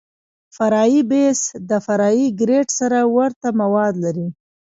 فرعي بیس د فرعي ګریډ سره ورته مواد لري